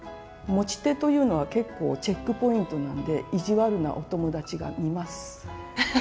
持ち手というのは結構チェックポイントなんで意地悪なお友達が見ます。